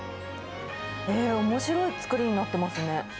えー、おもしろい作りになってますね。